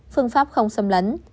phương pháp không xâm lấn